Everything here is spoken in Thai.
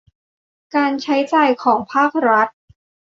การใช้จ่ายของภาครัฐ